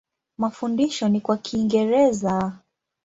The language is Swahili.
Mafundisho ni kwa Kiingereza.